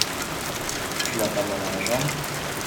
Tu n’as pas mal à la jambe ?